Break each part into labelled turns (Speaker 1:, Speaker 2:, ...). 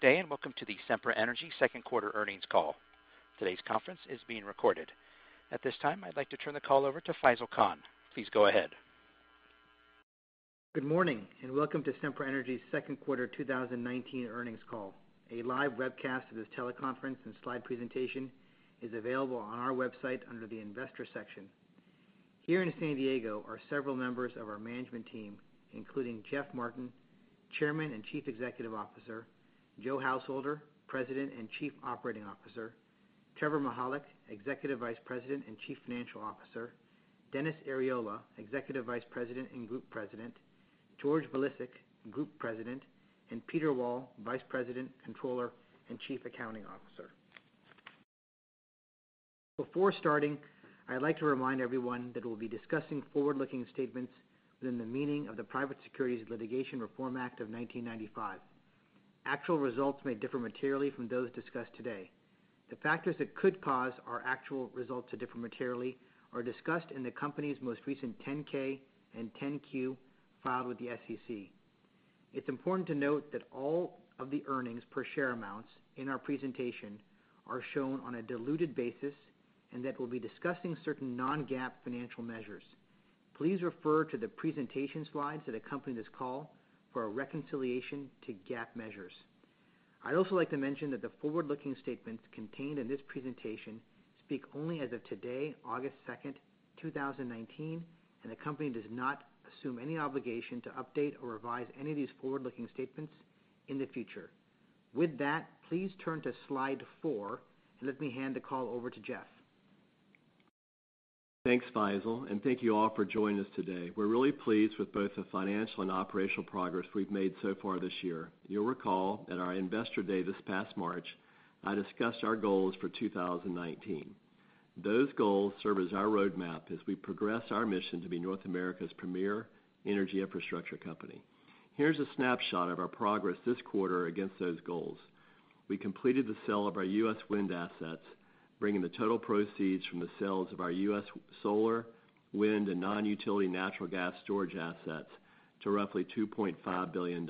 Speaker 1: Good day. Welcome to the Sempra Energy second quarter earnings call. Today's conference is being recorded. At this time, I'd like to turn the call over to Faisel Khan. Please go ahead.
Speaker 2: Good morning, and welcome to Sempra Energy's second quarter 2019 earnings call. A live webcast of this teleconference and slide presentation is available on our website under the investor section. Here in San Diego are several members of our management team, including Jeff Martin, Chairman and Chief Executive Officer, Joe Householder, President and Chief Operating Officer, Trevor Mihalik, Executive Vice President and Chief Financial Officer, Dennis Arriola, Executive Vice President and Group President, George Bilicic, Group President, and Peter Wall, Vice President, Controller, and Chief Accounting Officer. Before starting, I'd like to remind everyone that we'll be discussing forward-looking statements within the meaning of the Private Securities Litigation Reform Act of 1995. Actual results may differ materially from those discussed today. The factors that could cause our actual results to differ materially are discussed in the company's most recent 10-K and 10-Q filed with the SEC. It's important to note that all of the earnings per share amounts in our presentation are shown on a diluted basis, and that we'll be discussing certain non-GAAP financial measures. Please refer to the presentation slides that accompany this call for a reconciliation to GAAP measures. I'd also like to mention that the forward-looking statements contained in this presentation speak only as of today, August 2nd, 2019, and the company does not assume any obligation to update or revise any of these forward-looking statements in the future. With that, please turn to Slide Four and let me hand the call over to Jeff.
Speaker 3: Thanks, Faisel, and thank you all for joining us today. We're really pleased with both the financial and operational progress we've made so far this year. You'll recall at our Investor Day this past March, I discussed our goals for 2019. Those goals serve as our roadmap as we progress our mission to be North America's premier energy infrastructure company. Here's a snapshot of our progress this quarter against those goals. We completed the sale of our U.S. wind assets, bringing the total proceeds from the sales of our U.S. solar, wind, and non-utility natural gas storage assets to roughly $2.5 billion.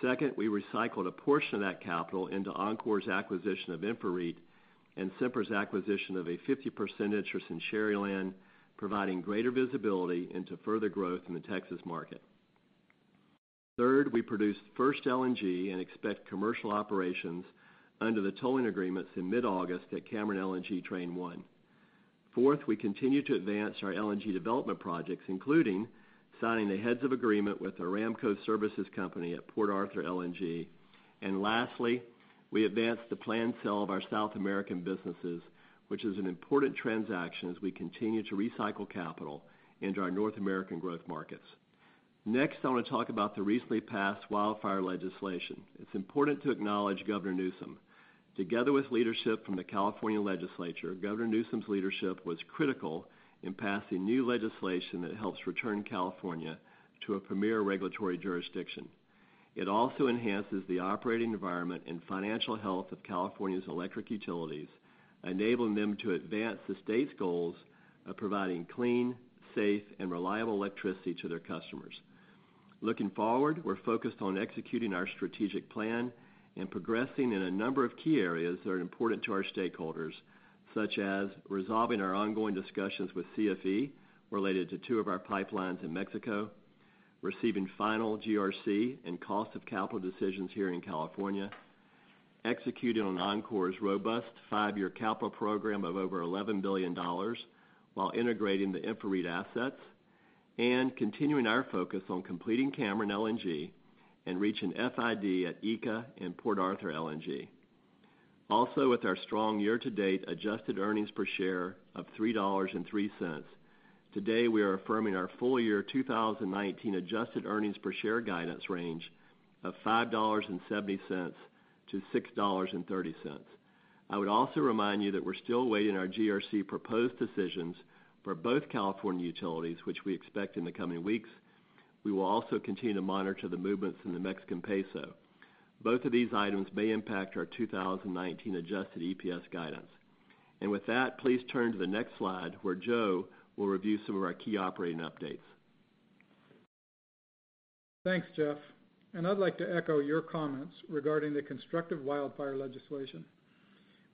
Speaker 3: Second, we recycled a portion of that capital into Oncor's acquisition of InfraREIT and Sempra's acquisition of a 50% interest in Sharyland, providing greater visibility into further growth in the Texas market. We produced first LNG and expect commercial operations under the tolling agreements in mid-August at Cameron LNG Train 1. We continue to advance our LNG development projects, including signing the heads of agreement with the Aramco Services Company at Port Arthur LNG. Lastly, we advanced the planned sale of our South American businesses, which is an important transaction as we continue to recycle capital into our North American growth markets. Next, I want to talk about the recently passed wildfire legislation. It's important to acknowledge Gavin Newsom. Together with leadership from the California legislature, Gavin Newsom's leadership was critical in passing new legislation that helps return California to a premier regulatory jurisdiction. It also enhances the operating environment and financial health of California's electric utilities, enabling them to advance the state's goals of providing clean, safe, and reliable electricity to their customers. Looking forward, we're focused on executing our strategic plan and progressing in a number of key areas that are important to our stakeholders, such as resolving our ongoing discussions with CFE related to two of our pipelines in Mexico, receiving final GRC and cost of capital decisions here in California, executing on Oncor's robust five-year capital program of over $11 billion while integrating the InfraREIT assets, and continuing our focus on completing Cameron LNG and reaching FID at ECA and Port Arthur LNG. With our strong year-to-date adjusted earnings per share of $3.03, today we are affirming our full-year 2019 adjusted earnings per share guidance range of $5.70-$6.30. I would also remind you that we're still awaiting our GRC proposed decisions for both California utilities, which we expect in the coming weeks. We will also continue to monitor the movements in the Mexican peso. Both of these items may impact our 2019 adjusted EPS guidance. With that, please turn to the next slide, where Joe will review some of our key operating updates.
Speaker 4: Thanks, Jeff. I'd like to echo your comments regarding the constructive wildfire legislation.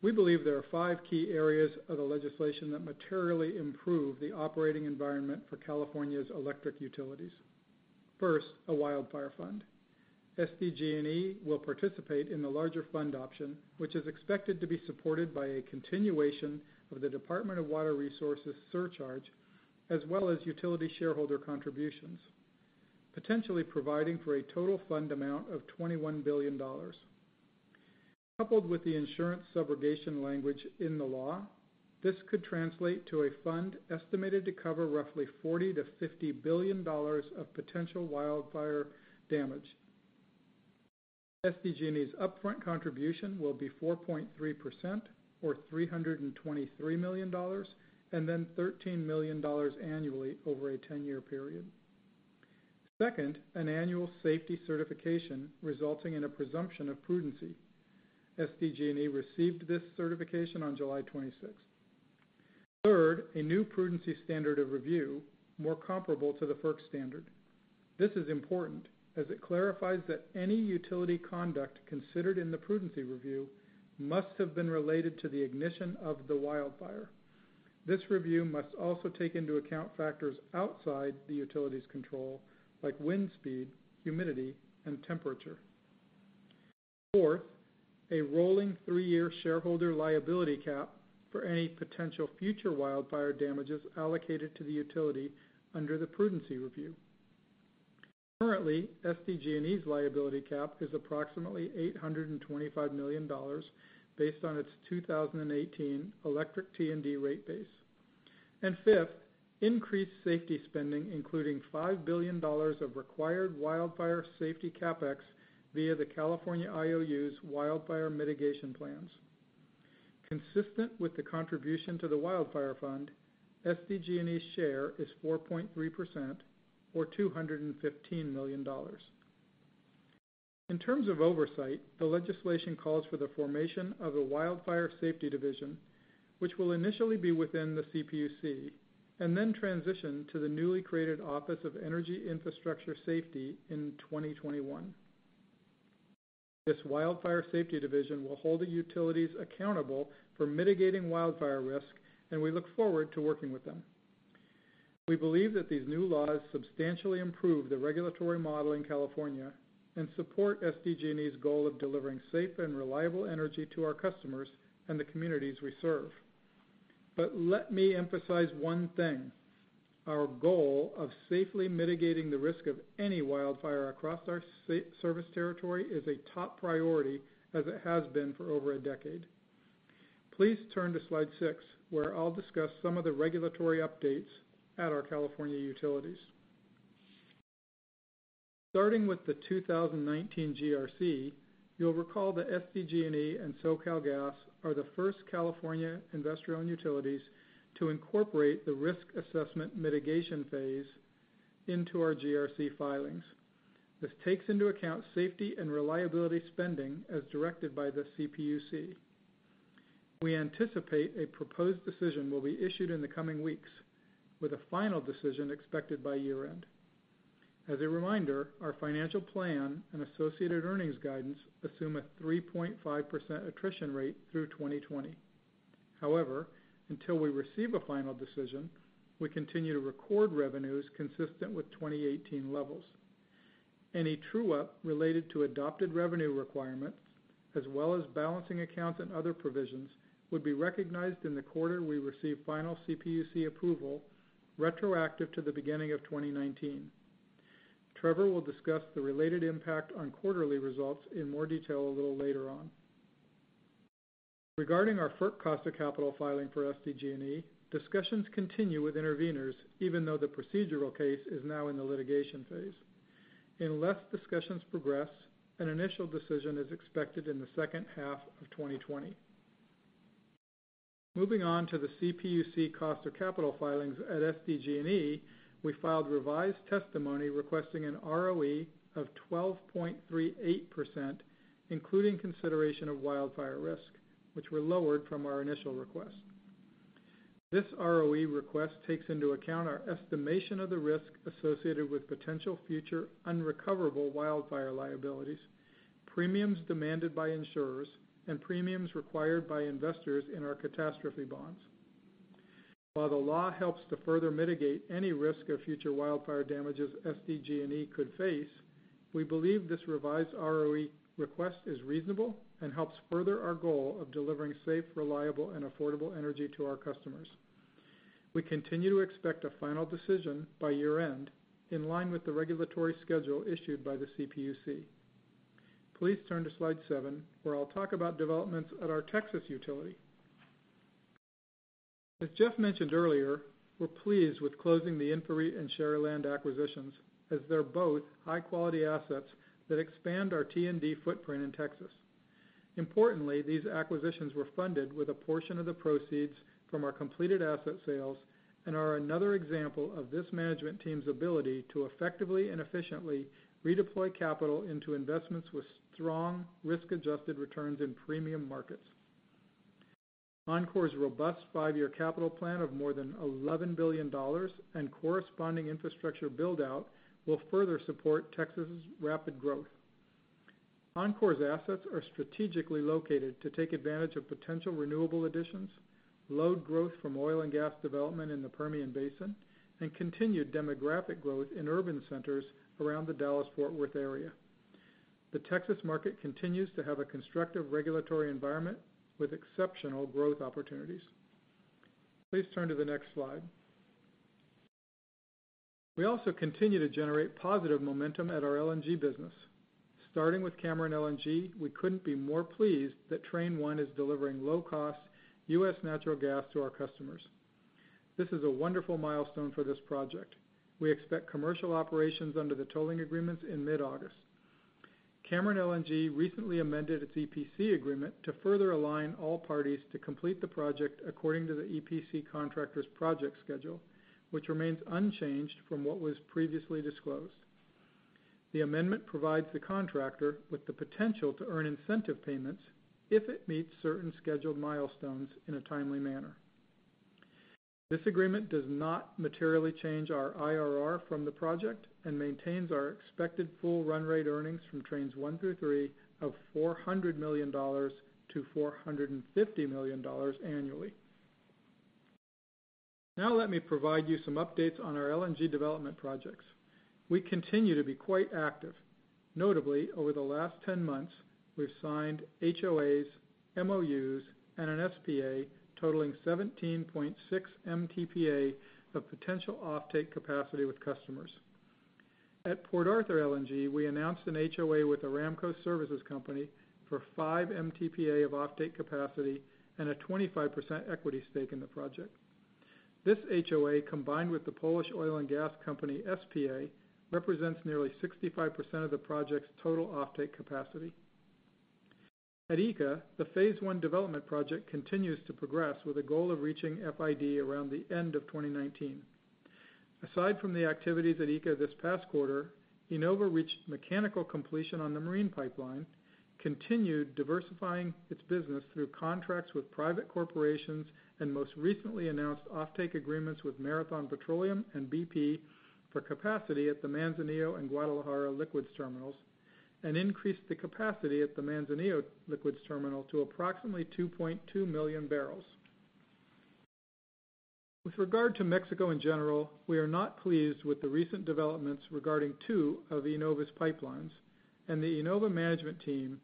Speaker 4: We believe there are five key areas of the legislation that materially improve the operating environment for California's electric utilities. First, a Wildfire Fund. SDG&E will participate in the larger fund option, which is expected to be supported by a continuation of the Department of Water Resources surcharge, as well as utility shareholder contributions, potentially providing for a total fund amount of $21 billion. Coupled with the insurance subrogation language in the law, this could translate to a fund estimated to cover roughly $40 billion-$50 billion of potential wildfire damage. SDG&E's upfront contribution will be 4.3%, or $323 million, and then $13 million annually over a 10-year period. Second, an annual safety certification resulting in a presumption of prudency. SDG&E received this certification on July 26th. Third, a new prudency standard of review, more comparable to the FERC standard. This is important as it clarifies that any utility conduct considered in the prudency review must have been related to the ignition of the wildfire. This review must also take into account factors outside the utility's control, like wind speed, humidity, and temperature. Fourth, a rolling three-year shareholder liability cap for any potential future wildfire damages allocated to the utility under the prudency review. Currently, SDG&E's liability cap is approximately $825 million based on its 2018 electric T&D rate base. Fifth, increased safety spending, including $5 billion of required wildfire safety CapEx via the California IOUs wildfire mitigation plans. Consistent with the contribution to the wildfire fund, SDG&E's share is 4.3%, or $215 million. In terms of oversight, the legislation calls for the formation of a wildfire safety division, which will initially be within the CPUC, and then transition to the newly created Office of Energy Infrastructure Safety in 2021. This wildfire safety division will hold the utilities accountable for mitigating wildfire risk, and we look forward to working with them. We believe that these new laws substantially improve the regulatory model in California and support SDG&E's goal of delivering safe and reliable energy to our customers and the communities we serve. Let me emphasize one thing. Our goal of safely mitigating the risk of any wildfire across our service territory is a top priority as it has been for over a decade. Please turn to slide six, where I'll discuss some of the regulatory updates at our California utilities. Starting with the 2019 GRC, you'll recall that SDG&E and SoCalGas are the first California investor-owned utilities to incorporate the Risk Assessment and Mitigation Phase into our GRC filings. This takes into account safety and reliability spending as directed by the CPUC. We anticipate a proposed decision will be issued in the coming weeks, with a final decision expected by year-end. As a reminder, our financial plan and associated earnings guidance assume a 3.5% attrition rate through 2020. However, until we receive a final decision, we continue to record revenues consistent with 2018 levels. Any true-up related to adopted revenue requirements, as well as balancing accounts and other provisions, would be recognized in the quarter we receive final CPUC approval retroactive to the beginning of 2019. Trevor will discuss the related impact on quarterly results in more detail a little later on. Regarding our FERC cost of capital filing for SDG&E, discussions continue with interveners even though the procedural case is now in the litigation phase. Unless discussions progress, an initial decision is expected in the second half of 2020. Moving on to the CPUC cost of capital filings at SDG&E, we filed revised testimony requesting an ROE of 12.38%, including consideration of wildfire risk, which were lowered from our initial request. This ROE request takes into account our estimation of the risk associated with potential future unrecoverable wildfire liabilities, premiums demanded by insurers, and premiums required by investors in our catastrophe bonds. While the law helps to further mitigate any risk of future wildfire damages SDG&E could face, we believe this revised ROE request is reasonable and helps further our goal of delivering safe, reliable, and affordable energy to our customers. We continue to expect a final decision by year-end, in line with the regulatory schedule issued by the CPUC. Please turn to slide seven, where I'll talk about developments at our Texas utility. As Jeff mentioned earlier, we're pleased with closing the InfraREIT and Sharyland acquisitions as they're both high-quality assets that expand our T&D footprint in Texas. Importantly, these acquisitions were funded with a portion of the proceeds from our completed asset sales and are another example of this management team's ability to effectively and efficiently redeploy capital into investments with strong risk-adjusted returns in premium markets. Oncor's robust five-year capital plan of more than $11 billion and corresponding infrastructure build-out will further support Texas' rapid growth. Oncor's assets are strategically located to take advantage of potential renewable additions, load growth from oil and gas development in the Permian Basin, and continued demographic growth in urban centers around the Dallas-Fort Worth area. The Texas market continues to have a constructive regulatory environment with exceptional growth opportunities. Please turn to the next slide. We also continue to generate positive momentum at our LNG business. Starting with Cameron LNG, we couldn't be more pleased that train 1 is delivering low-cost U.S. natural gas to our customers. This is a wonderful milestone for this project. We expect commercial operations under the tolling agreements in mid-August. Cameron LNG recently amended its EPC agreement to further align all parties to complete the project according to the EPC contractor's project schedule, which remains unchanged from what was previously disclosed. The amendment provides the contractor with the potential to earn incentive payments if it meets certain scheduled milestones in a timely manner. This agreement does not materially change our IRR from the project and maintains our expected full run rate earnings from trains 1 through 3 of $400 million-$450 million annually. Now let me provide you some updates on our LNG development projects. We continue to be quite active. Notably, over the last 10 months, we've signed HOAs, MOUs, and an SPA totaling 17.6 MTPA of potential offtake capacity with customers. At Port Arthur LNG, we announced an HOA with the Aramco Services Company for 5 MTPA of offtake capacity and a 25% equity stake in the project. This HOA, combined with the Polish oil and gas company SPA, represents nearly 65% of the project's total offtake capacity. At ECA, the phase 1 development project continues to progress with a goal of reaching FID around the end of 2019. Aside from the activities at ECA this past quarter, IEnova reached mechanical completion on the marine pipeline, continued diversifying its business through contracts with private corporations, and most recently announced offtake agreements with Marathon Petroleum and BP for capacity at the Manzanillo and Guadalajara liquids terminals, and increased the capacity at the Manzanillo liquids terminal to approximately 2.2 million barrels. With regard to Mexico in general, we are not pleased with the recent developments regarding two of IEnova's pipelines. The IEnova management team,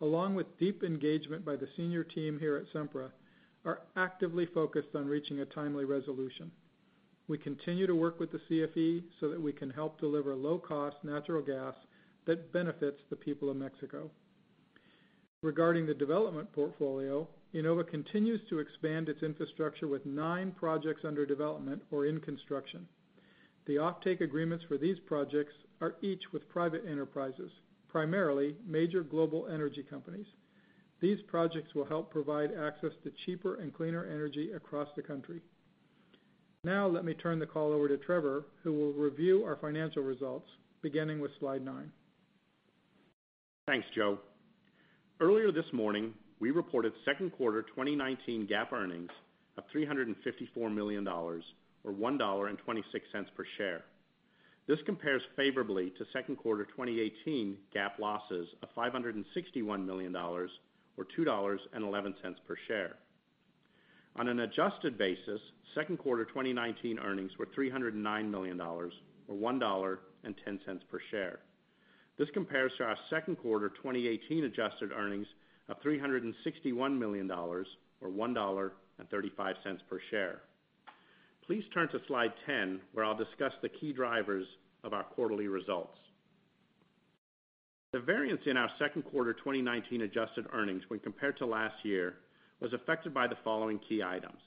Speaker 4: along with deep engagement by the senior team here at Sempra, are actively focused on reaching a timely resolution. We continue to work with the CFE so that we can help deliver low-cost natural gas that benefits the people of Mexico. Regarding the development portfolio, IEnova continues to expand its infrastructure with nine projects under development or in construction. The offtake agreements for these projects are each with private enterprises, primarily major global energy companies. These projects will help provide access to cheaper and cleaner energy across the country. Let me turn the call over to Trevor, who will review our financial results beginning with slide nine.
Speaker 5: Thanks, Joe. Earlier this morning, we reported second quarter 2019 GAAP earnings of $354 million, or $1.26 per share. This compares favorably to second quarter 2018 GAAP losses of $561 million, or $2.11 per share. On an adjusted basis, second quarter 2019 earnings were $309 million, or $1.10 per share. This compares to our second quarter 2018 adjusted earnings of $361 million, or $1.35 per share. Please turn to slide 10, where I'll discuss the key drivers of our quarterly results. The variance in our second quarter 2019 adjusted earnings when compared to last year was affected by the following key items.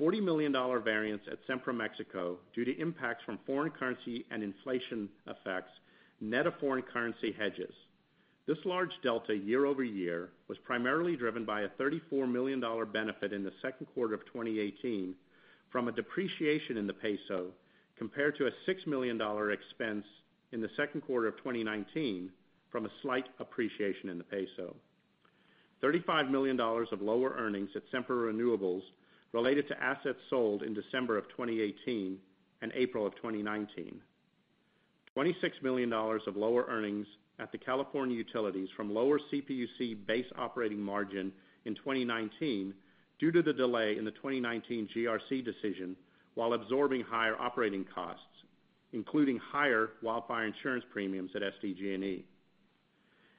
Speaker 5: $40 million variance at Sempra Mexico due to impacts from foreign currency and inflation effects, net of foreign currency hedges. This large delta year over year was primarily driven by a $34 million benefit in the second quarter of 2018 from a depreciation in the MXN, compared to a $6 million expense in the second quarter of 2019 from a slight appreciation in the MXN. $35 million of lower earnings at Sempra Renewables related to assets sold in December of 2018 and April of 2019. $26 million of lower earnings at the California utilities from lower CPUC base operating margin in 2019 due to the delay in the 2019 GRC decision while absorbing higher operating costs, including higher wildfire insurance premiums at SDG&E.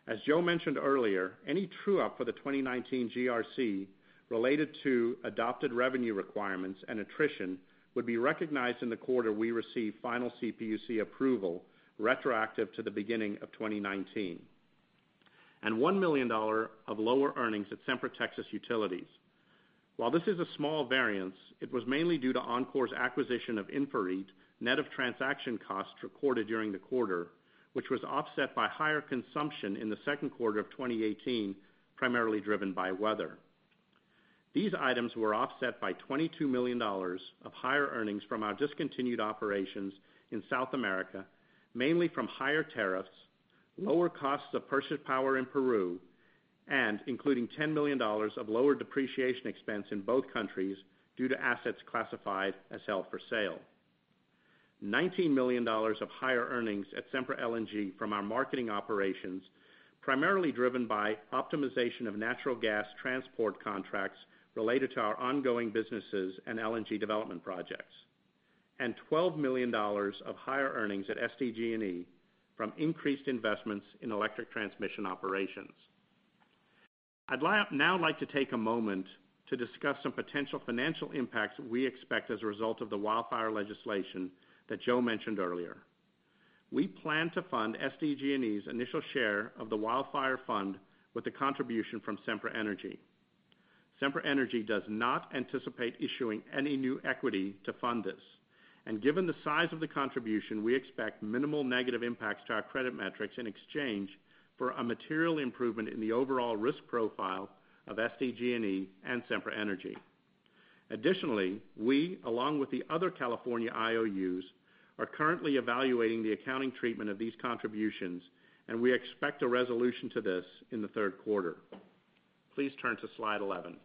Speaker 5: As Joe mentioned earlier, any true-up for the 2019 GRC related to adopted revenue requirements and attrition would be recognized in the quarter we receive final CPUC approval retroactive to the beginning of 2019. $1 million of lower earnings at Sempra Texas Utilities. While this is a small variance, it was mainly due to Oncor's acquisition of InfraREIT net of transaction costs recorded during the quarter, which was offset by higher consumption in the second quarter of 2018, primarily driven by weather. These items were offset by $22 million of higher earnings from our discontinued operations in South America, mainly from higher tariffs, lower costs of purchased power in Peru, and including $10 million of lower depreciation expense in both countries due to assets classified as held for sale. $19 million of higher earnings at Sempra LNG from our marketing operations, primarily driven by optimization of natural gas transport contracts related to our ongoing businesses and LNG development projects. $12 million of higher earnings at SDG&E from increased investments in electric transmission operations. I'd now like to take a moment to discuss some potential financial impacts we expect as a result of the wildfire legislation that Joe mentioned earlier. We plan to fund SDG&E's initial share of the wildfire fund with a contribution from Sempra Energy. Sempra Energy does not anticipate issuing any new equity to fund this, and given the size of the contribution, we expect minimal negative impacts to our credit metrics in exchange for a material improvement in the overall risk profile of SDG&E and Sempra Energy.
Speaker 3: Additionally, we, along with the other California IOUs, are currently evaluating the accounting treatment of these contributions, and we expect a resolution to this in the third quarter. Please turn to Slide 11.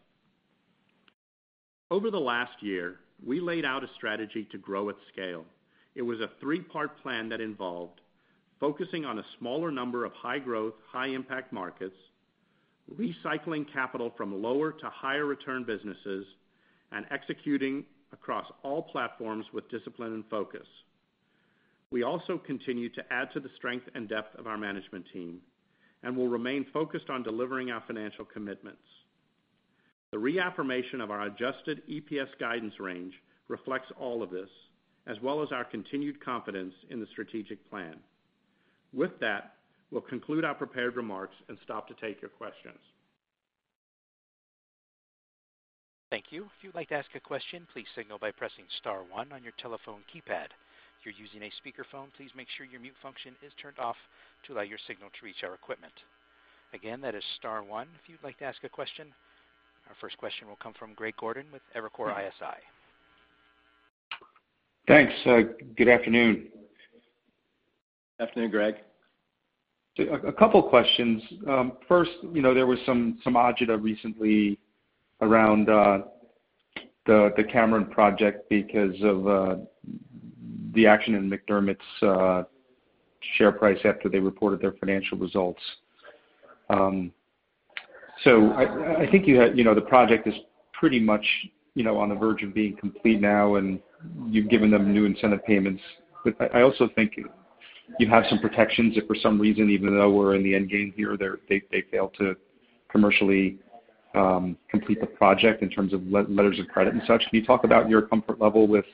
Speaker 3: Over the last year, we laid out a strategy to grow at scale. It was a three-part plan that involved focusing on a smaller number of high-growth, high-impact markets, recycling capital from lower to higher return businesses, and executing across all platforms with discipline and focus. We also continue to add to the strength and depth of our management team, and will remain focused on delivering our financial commitments. The reaffirmation of our adjusted EPS guidance range reflects all of this, as well as our continued confidence in the strategic plan. With that, we'll conclude our prepared remarks and stop to take your questions.
Speaker 1: Thank you. If you'd like to ask a question, please signal by pressing *1 on your telephone keypad. If you're using a speakerphone, please make sure your mute function is turned off to allow your signal to reach our equipment. Again, that is *1 if you'd like to ask a question. Our first question will come from Greg Gordon with Evercore ISI.
Speaker 6: Thanks. Good afternoon.
Speaker 3: Afternoon, Greg.
Speaker 6: A couple questions. First, there was some agita recently around the Cameron project because of the action in McDermott's share price after they reported their financial results. I think the project is pretty much on the verge of being complete now, and you've given them new incentive payments. I also think you have some protections if for some reason, even though we're in the end game here, they fail to commercially complete the project in terms of letters of credit and such. Can you talk about your comfort level with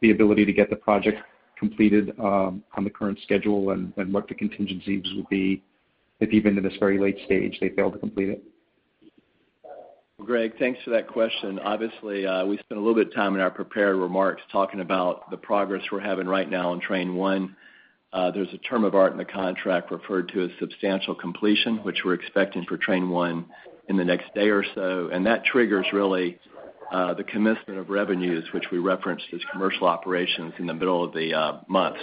Speaker 6: the ability to get the project completed on the current schedule, and what the contingencies would be if even in this very late stage, they fail to complete it?
Speaker 3: Greg, thanks for that question. Obviously, we spent a little bit of time in our prepared remarks talking about the progress we're having right now on Train 1. There's a term of art in the contract referred to as substantial completion, which we're expecting for Train 1 in the next day or so. That triggers, really, the commencement of revenues, which we referenced as commercial operations in the middle of the month.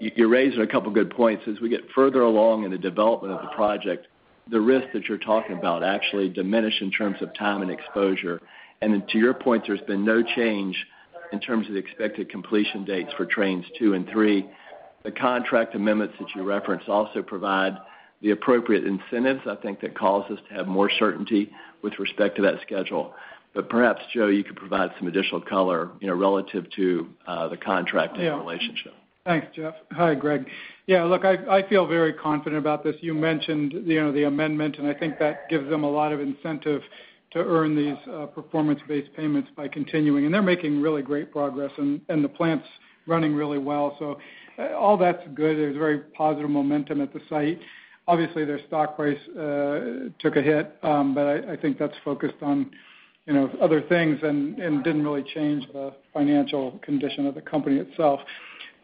Speaker 3: You're raising a couple good points. As we get further along in the development of the project, the risks that you're talking about actually diminish in terms of time and exposure. To your point, there's been no change in terms of the expected completion dates for Trains 2 and 3. The contract amendments that you referenced also provide the appropriate incentives, I think that cause us to have more certainty with respect to that schedule. Perhaps, Joe, you could provide some additional color relative to the contracting relationship.
Speaker 4: Thanks, Jeff. Hi, Greg. Yeah, look, I feel very confident about this. You mentioned the amendment, and I think that gives them a lot of incentive to earn these performance-based payments by continuing. They're making really great progress, and the plant's running really well. All that's good. There's very positive momentum at the site. Obviously, their stock price took a hit, but I think that's focused on other things and didn't really change the financial condition of the company itself.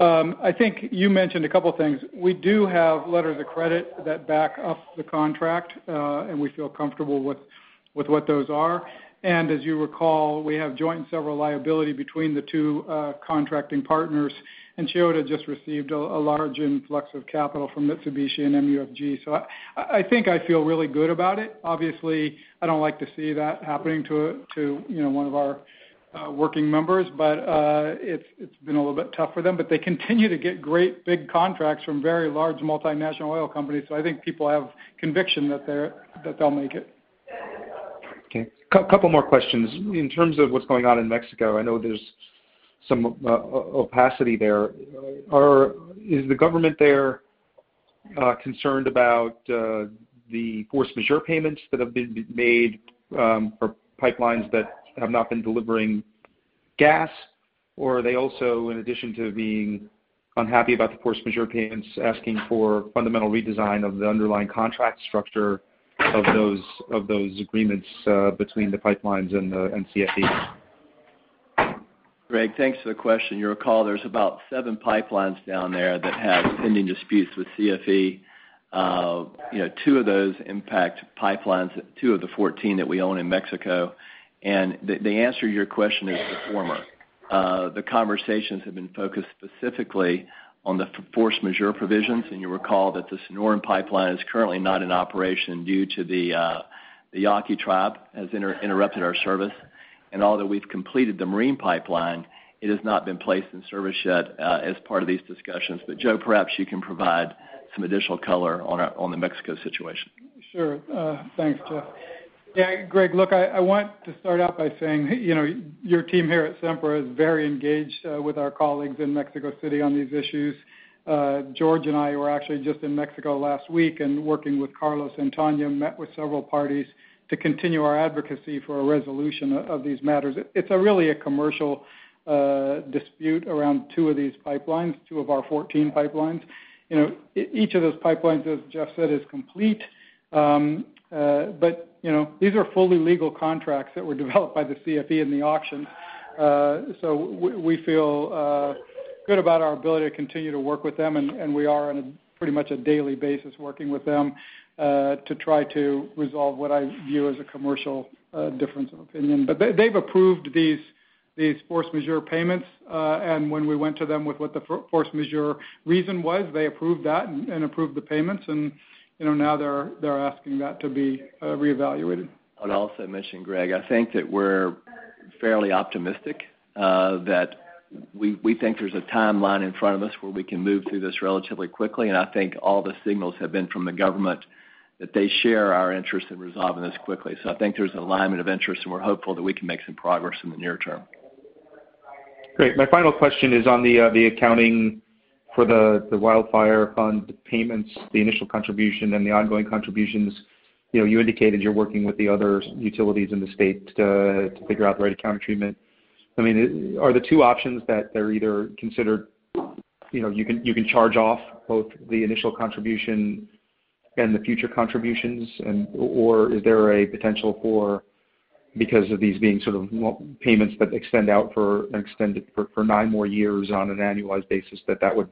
Speaker 4: I think you mentioned a couple things. We do have letters of credit that back up the contract, and we feel comfortable with what those are. As you recall, we have joint and several liability between the two contracting partners, and Chiyoda just received a large influx of capital from Mitsubishi and MUFG. I think I feel really good about it. Obviously, I don't like to see that happening to one of our working members. It's been a little bit tough for them, but they continue to get great big contracts from very large multinational oil companies. I think people have conviction that they'll make it.
Speaker 6: Okay. Couple more questions. In terms of what's going on in Mexico, I know there's some opacity there. Is the government there concerned about the force majeure payments that have been made for pipelines that have not been delivering gas? Or are they also, in addition to being unhappy about the force majeure payments, asking for fundamental redesign of the underlying contract structure of those agreements between the pipelines and CFE?
Speaker 3: Greg, thanks for the question. You'll recall there's about seven pipelines down there that have pending disputes with CFE. Two of those impact pipelines, two of the 14 that we own in Mexico. The answer to your question is the former. The conversations have been focused specifically on the force majeure provisions, and you'll recall that the Sonoran pipeline is currently not in operation due to the Yaqui tribe has interrupted our service. Although we've completed the marine pipeline, it has not been placed in service yet as part of these discussions. Joe, perhaps you can provide some additional color on the Mexico situation.
Speaker 4: Sure. Thanks, Jeff. Greg, look, I want to start out by saying, your team here at Sempra is very engaged with our colleagues in Mexico City on these issues. George and I were actually just in Mexico last week and working with Carlos and Tania, met with several parties to continue our advocacy for a resolution of these matters. It's really a commercial dispute around two of these pipelines, two of our 14 pipelines. Each of those pipelines, as Jeff said, is complete. These are fully legal contracts that were developed by the CFE in the auction.
Speaker 6: Good about our ability to continue to work with them, we are on pretty much a daily basis working with them, to try to resolve what I view as a commercial difference of opinion. They've approved these force majeure payments. When we went to them with what the force majeure reason was, they approved that and approved the payments. Now they're asking that to be reevaluated.
Speaker 3: I'll also mention, Greg, I think that we're fairly optimistic, that we think there's a timeline in front of us where we can move through this relatively quickly. I think all the signals have been from the government that they share our interest in resolving this quickly. I think there's an alignment of interest, and we're hopeful that we can make some progress in the near term.
Speaker 6: Great. My final question is on the accounting for the wildfire fund payments, the initial contribution, and the ongoing contributions. You indicated you're working with the other utilities in the state to figure out the right accounting treatment. Are the two options that they're either considered, you can charge off both the initial contribution and the future contributions? Or is there a potential for, because of these being sort of payments that extend out for nine more years on an annualized basis, that that would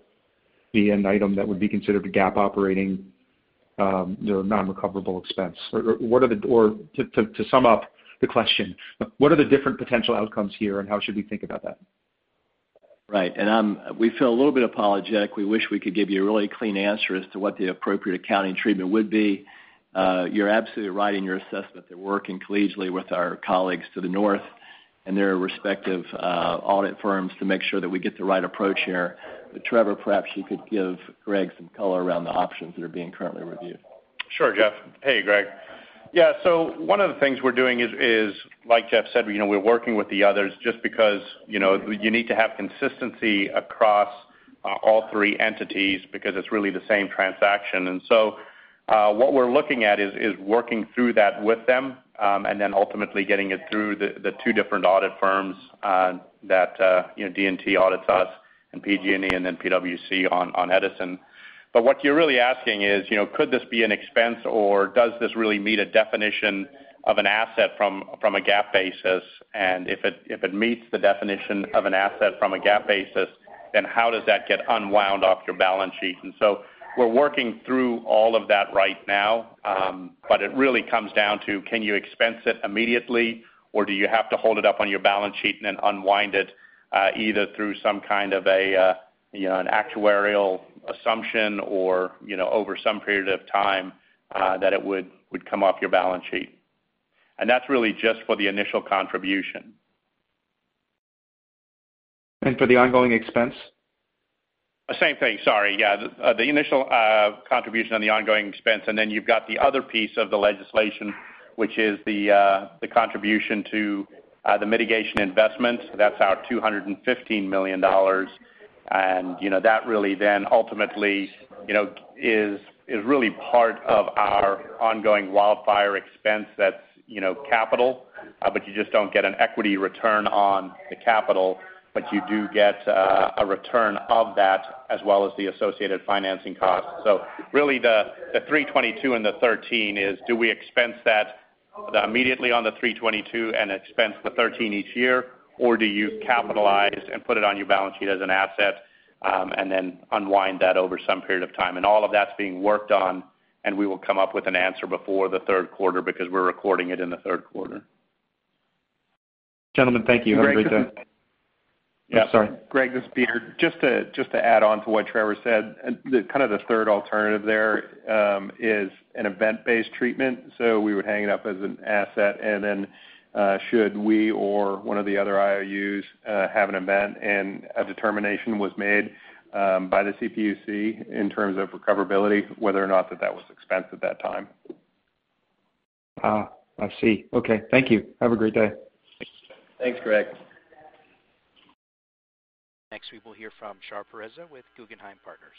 Speaker 6: be an item that would be considered a GAAP operating non-recoverable expense? To sum up the question, what are the different potential outcomes here, and how should we think about that?
Speaker 3: Right. We feel a little bit apologetic. We wish we could give you a really clean answer as to what the appropriate accounting treatment would be. You're absolutely right in your assessment that working collegially with our colleagues to the north and their respective audit firms to make sure that we get the right approach here. Trevor, perhaps you could give Greg some color around the options that are being currently reviewed.
Speaker 5: Sure, Jeff. Hey, Greg. One of the things we're doing is, like Jeff said, we're working with the others just because you need to have consistency across all three entities because it's really the same transaction. What we're looking at is working through that with them, then ultimately getting it through the two different audit firms that D&T audits us and PG&E, and then PwC on Edison. What you're really asking is, could this be an expense or does this really meet a definition of an asset from a GAAP basis? If it meets the definition of an asset from a GAAP basis, how does that get unwound off your balance sheet? We're working through all of that right now. It really comes down to can you expense it immediately, or do you have to hold it up on your balance sheet and then unwind it, either through some kind of an actuarial assumption or over some period of time, that it would come off your balance sheet. That's really just for the initial contribution.
Speaker 6: For the ongoing expense?
Speaker 5: The same thing. Sorry. Yeah, the initial contribution on the ongoing expense, and then you've got the other piece of the legislation, which is the contribution to the mitigation investment. That's our $215 million. That really then ultimately is really part of our ongoing wildfire expense that's capital. You just don't get an equity return on the capital, but you do get a return of that as well as the associated financing cost. Really the $322 and the $13 is do we expense that immediately on the $322 and expense the $13 each year, or do you capitalize and put it on your balance sheet as an asset, and then unwind that over some period of time? All of that's being worked on, and we will come up with an answer before the third quarter because we're recording it in the third quarter.
Speaker 6: Gentlemen, thank you. Have a great day.
Speaker 3: Great.
Speaker 6: Sorry.
Speaker 7: Greg, this is Peter. Just to add on to what Trevor said, kind of the third alternative there, is an event-based treatment. We would hang it up as an asset, and then, should we or one of the other IOUs, have an event and a determination was made, by the CPUC in terms of recoverability, whether or not that was expensed at that time.
Speaker 6: I see. Okay. Thank you. Have a great day.
Speaker 3: Thanks, Greg.
Speaker 1: Next, we will hear from Shar Pourreza with Guggenheim Partners.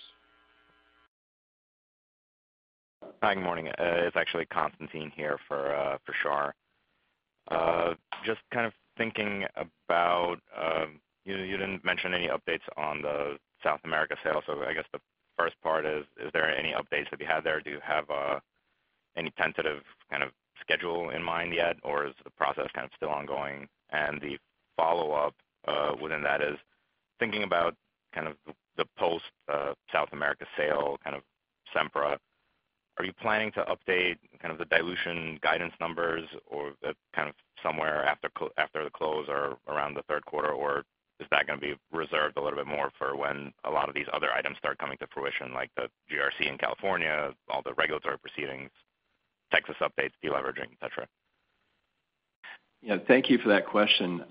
Speaker 8: Hi. Good morning. It's actually Constantine here for Shar. Kind of thinking about, you didn't mention any updates on the South America sale. I guess the first part is there any updates that we have there? Do you have any tentative kind of schedule in mind yet, or is the process kind of still ongoing? The follow-up within that is thinking about kind of the post South America sale kind of Sempra. Are you planning to update kind of the dilution guidance numbers or the kind of somewhere after the close or around the third quarter? Is that going to be reserved a little bit more for when a lot of these other items start coming to fruition, like the GRC in California, all the regulatory proceedings, Texas updates, deleveraging, et cetera?
Speaker 3: Yeah. Thank you for that question.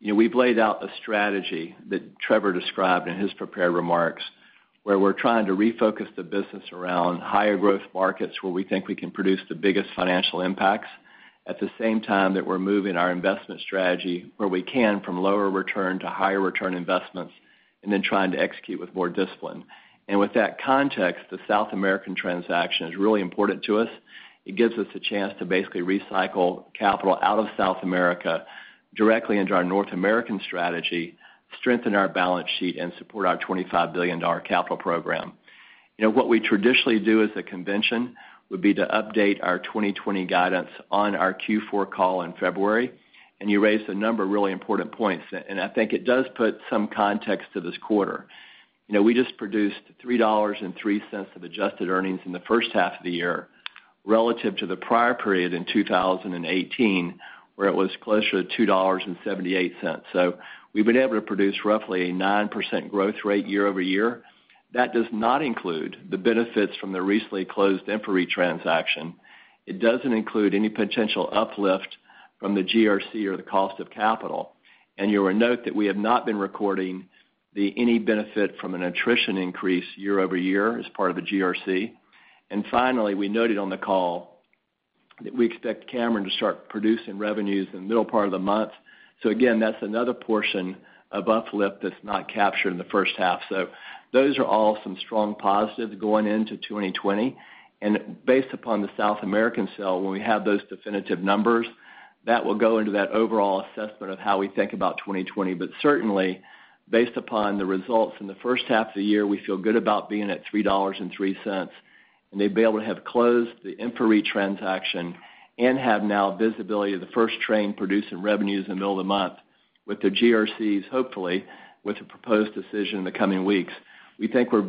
Speaker 3: We've laid out a strategy that Trevor described in his prepared remarks, where we're trying to refocus the business around higher growth markets where we think we can produce the biggest financial impacts. At the same time that we're moving our investment strategy where we can from lower return to higher return investments, and then trying to execute with more discipline. With that context, the South American transaction is really important to us. It gives us a chance to basically recycle capital out of South America directly into our North American strategy, strengthen our balance sheet, and support our $25 billion capital program. What we traditionally do as a convention would be to update our 2020 guidance on our Q4 call in February. You raised a number of really important points. I think it does put some context to this quarter. We just produced $3.03 of adjusted earnings in the first half of the year relative to the prior period in 2018, where it was closer to $2.78. We've been able to produce roughly a 9% growth rate year-over-year. That does not include the benefits from the recently closed InfraREIT transaction. It doesn't include any potential uplift from the GRC or the cost of capital. You will note that we have not been recording any benefit from an attrition increase year-over-year as part of the GRC. Finally, we noted on the call that we expect Cameron to start producing revenues in the middle part of the month. Again, that's another portion of uplift that's not captured in the first half. Those are all some strong positives going into 2020. Based upon the South American sale, when we have those definitive numbers, that will go into that overall assessment of how we think about 2020. Certainly, based upon the results in the first half of the year, we feel good about being at $3.03. They'd be able to have closed the InfraREIT transaction and have now visibility of the first train producing revenues in the middle of the month with the GRCs, hopefully, with a proposed decision in the coming weeks. We think we're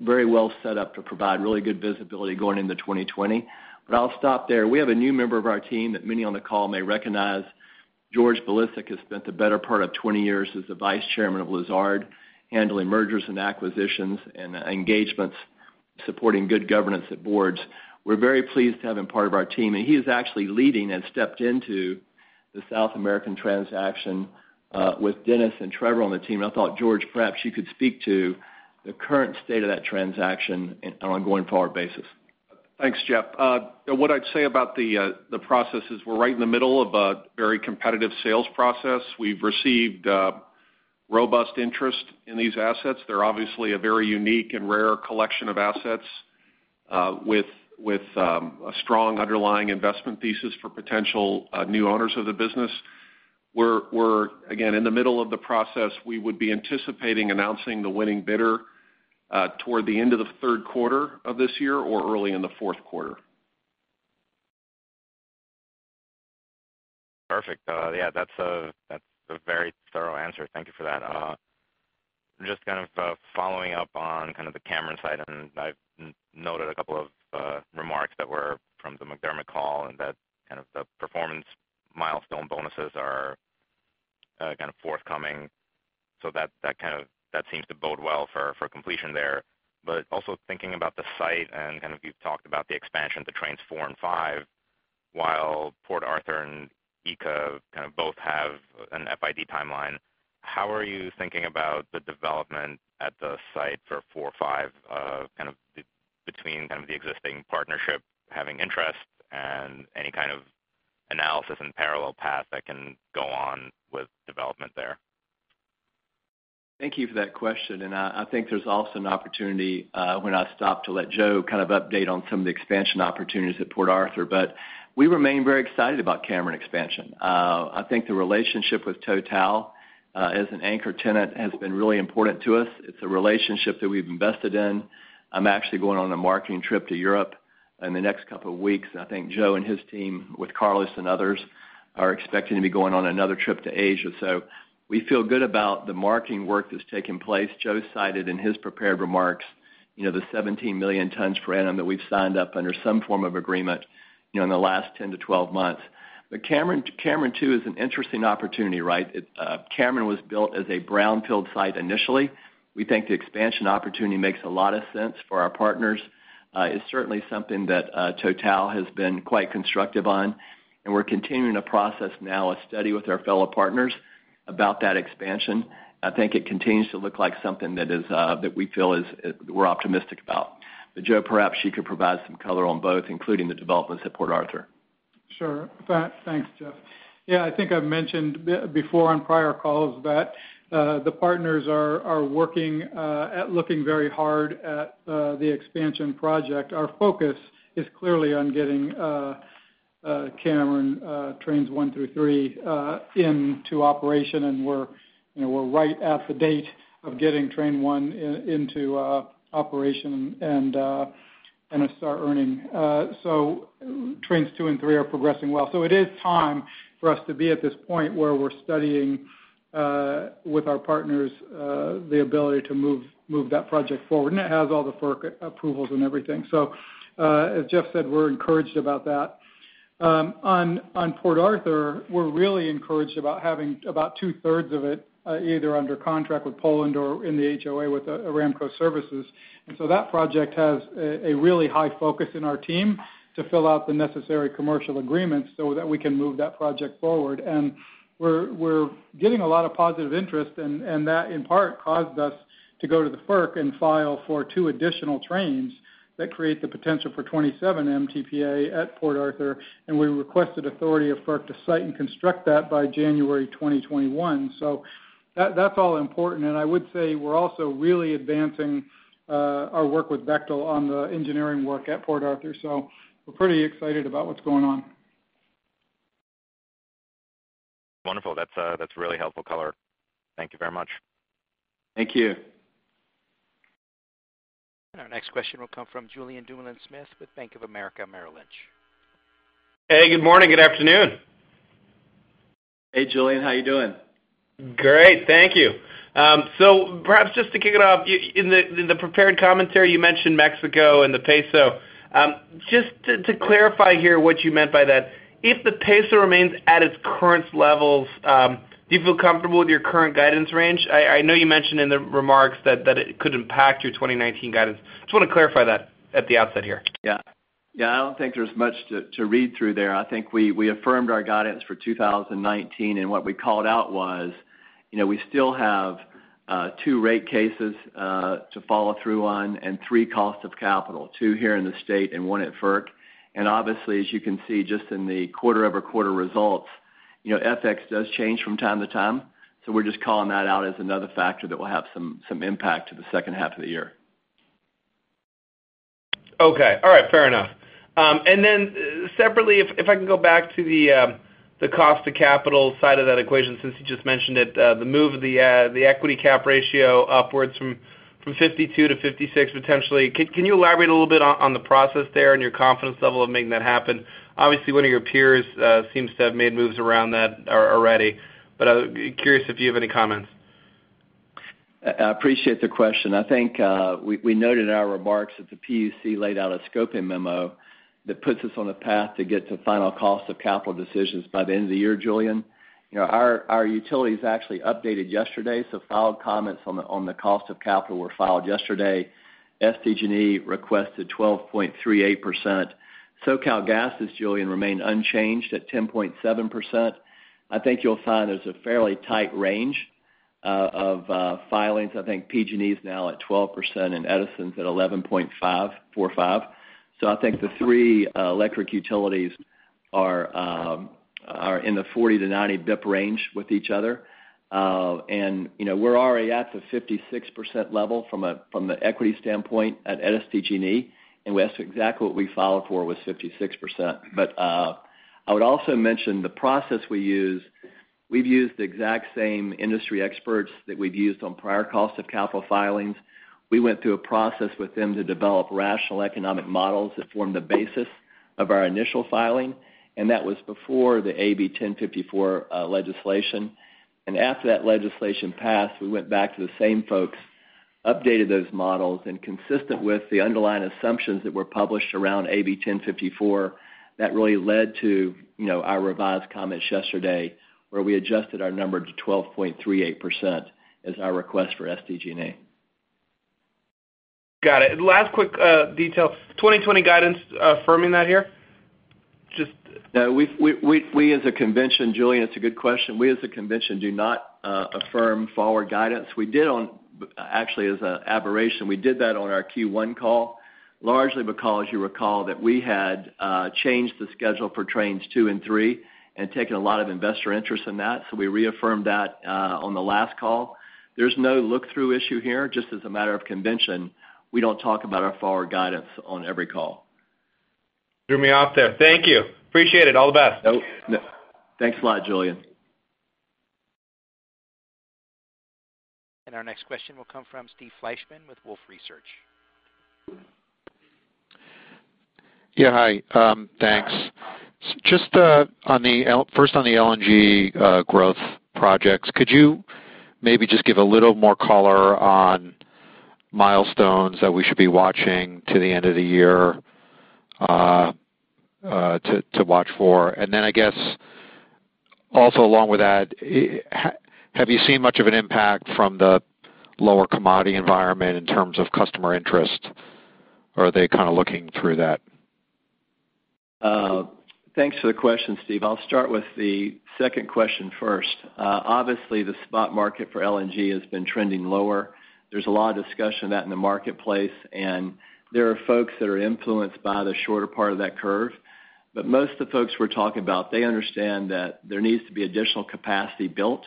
Speaker 3: very well set up to provide really good visibility going into 2020. I'll stop there. We have a new member of our team that many on the call may recognize. George Bilicic has spent the better part of 20 years as the Vice Chairman of Lazard, handling mergers and acquisitions and engagements supporting good governance at boards. We're very pleased to have him part of our team, and he is actually leading and stepped into the south American transaction with Dennis and Trevor on the team. I thought, George, perhaps you could speak to the current state of that transaction on an ongoing forward basis.
Speaker 9: Thanks, Jeff. What I'd say about the process is we're right in the middle of a very competitive sales process. We've received robust interest in these assets. They're obviously a very unique and rare collection of assets with a strong underlying investment thesis for potential new owners of the business. We're, again, in the middle of the process. We would be anticipating announcing the winning bidder toward the end of the third quarter of this year or early in the fourth quarter.
Speaker 8: Perfect. Yeah, that's a very thorough answer. Thank you for that. Just kind of following up on kind of the Cameron side, I've noted a couple of remarks that were from the McDermott call and that kind of the performance milestone bonuses are kind of forthcoming. That seems to bode well for completion there. Also thinking about the site and kind of you've talked about the expansion to trains 4 and 5, while Port Arthur and ECA kind of both have an FID timeline, how are you thinking about the development at the site for 4 or 5, kind of between the existing partnership having interest and any kind of analysis and parallel path that can go on with development there?
Speaker 3: Thank you for that question. I think there's also an opportunity when I stop to let Joe kind of update on some of the expansion opportunities at Port Arthur. We remain very excited about Cameron expansion. I think the relationship with Total as an anchor tenant has been really important to us. It's a relationship that we've invested in. I'm actually going on a marketing trip to Europe in the next couple of weeks. I think Joe and his team, with Carlos and others, are expecting to be going on another trip to Asia. We feel good about the marketing work that's taking place. Joe cited in his prepared remarks, the 17 million tons per annum that we've signed up under some form of agreement in the last 10-12 months. Cameron, too, is an interesting opportunity, right? Cameron was built as a brownfield site initially. We think the expansion opportunity makes a lot of sense for our partners. It's certainly something that Total has been quite constructive on, and we're continuing to process now a study with our fellow partners about that expansion. I think it continues to look like something that we feel we're optimistic about. Joe, perhaps you could provide some color on both, including the developments at Port Arthur.
Speaker 4: Sure. Thanks, Jeff. Yeah, I think I've mentioned before on prior calls that the partners are working at looking very hard at the expansion project. Our focus is clearly on getting Cameron trains 1 through 3 into operation, and we're right at the date of getting train 1 into operation and going to start earning. Trains 2 and 3 are progressing well. It is time for us to be at this point where we're studying with our partners the ability to move that project forward. It has all the FERC approvals and everything. As Jeff said, we're encouraged about that. On Port Arthur, we're really encouraged about having about two-thirds of it either under contract with PGNiG or in the HOA with Aramco Services. That project has a really high focus in our team to fill out the necessary commercial agreements so that we can move that project forward. We're getting a lot of positive interest, and that in part caused us to go to the FERC and file for two additional trains that create the potential for 27 MTPA at Port Arthur, and we requested authority of FERC to site and construct that by January 2021. That's all important, and I would say we're also really advancing our work with Bechtel on the engineering work at Port Arthur. We're pretty excited about what's going on.
Speaker 8: Wonderful. That's really helpful color. Thank you very much.
Speaker 3: Thank you.
Speaker 1: Our next question will come from Julien Dumoulin-Smith with Bank of America Merrill Lynch.
Speaker 10: Hey, good morning, good afternoon.
Speaker 3: Hey, Julien. How are you doing?
Speaker 10: Great, thank you. Perhaps just to kick it off, in the prepared commentary you mentioned Mexico and the peso. Just to clarify here what you meant by that, if the peso remains at its current levels, do you feel comfortable with your current guidance range? I know you mentioned in the remarks that it could impact your 2019 guidance. Just want to clarify that at the outset here.
Speaker 3: Yeah. I don't think there's much to read through there. I think we affirmed our guidance for 2019, and what we called out was, we still have two rate cases to follow through on and three cost of capital, two here in the state and one at FERC. Obviously, as you can see just in the quarter-over-quarter results, FX does change from time to time. We're just calling that out as another factor that will have some impact to the second half of the year.
Speaker 10: Okay. All right. Fair enough. Separately, if I can go back to the cost of capital side of that equation, since you just mentioned it, the move of the equity cap ratio upwards from 52 to 56, potentially. Can you elaborate a little bit on the process there and your confidence level of making that happen? Obviously, one of your peers seems to have made moves around that already. I'm curious if you have any comments.
Speaker 3: I appreciate the question. I think we noted in our remarks that the CPUC laid out a scoping memo that puts us on a path to get to final cost of capital decisions by the end of the year, Julien. Our utilities actually updated yesterday, filed comments on the cost of capital were filed yesterday. SDG&E requested 12.38%. SoCalGas's, Julien, remained unchanged at 10.7%. I think you'll find there's a fairly tight range of filings. I think PG&E is now at 12% and Edison's at 11.45%. I think the three electric utilities are in the 40-90 basis point range with each other. We're already at the 56% level from the equity standpoint at SDG&E, and that's exactly what we filed for, was 56%. I would also mention the process we use. We've used the exact same industry experts that we've used on prior cost of capital filings. We went through a process with them to develop rational economic models that formed the basis of our initial filing, and that was before the AB 1054 legislation. After that legislation passed, we went back to the same folks, updated those models, and consistent with the underlying assumptions that were published around AB 1054, that really led to our revised comments yesterday, where we adjusted our number to 12.38% as our request for SDG&E.
Speaker 10: Got it. Last quick detail. 2020 guidance, affirming that here?
Speaker 3: Julien, it's a good question. We as a convention do not affirm forward guidance. Actually, as an aberration, we did that on our Q1 call, largely because you recall that we had changed the schedule for Trains two and three and taken a lot of investor interest in that, so we reaffirmed that on the last call. There's no look-through issue here. Just as a matter of convention, we don't talk about our forward guidance on every call.
Speaker 10: Threw me off there. Thank you. Appreciate it. All the best.
Speaker 3: Thanks a lot, Julien.
Speaker 1: Our next question will come from Steve Fleishman with Wolfe Research.
Speaker 11: Yeah, hi. Thanks. On the LNG growth projects, could you maybe just give a little more color on milestones that we should be watching to the end of the year to watch for? I guess also along with that, have you seen much of an impact from the lower commodity environment in terms of customer interest, or are they kind of looking through that?
Speaker 3: Thanks for the question, Steve. I'll start with the second question first. Obviously, the spot market for LNG has been trending lower. There's a lot of discussion of that in the marketplace, and there are folks that are influenced by the shorter part of that curve. Most of the folks we're talking about, they understand that there needs to be additional capacity built.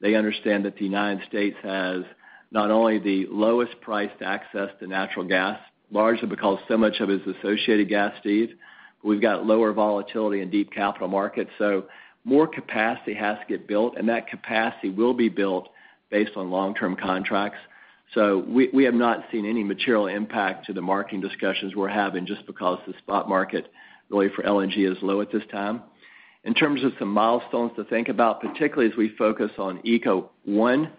Speaker 3: They understand that the United States has not only the lowest price to access to natural gas, largely because so much of it is associated gas feed. We've got lower volatility in deep capital markets. More capacity has to get built, and that capacity will be built based on long-term contracts. We have not seen any material impact to the marketing discussions we're having just because the spot market really for LNG is low at this time. In terms of some milestones to think about, particularly as we focus on ECA 1,